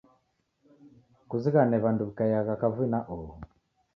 Kuzighane w'andu wi'kaiagha kavui na oho